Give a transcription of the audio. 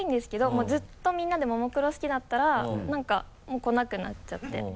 もうずっとみんなでももクロ好きだったら何かもう来なくなっちゃって。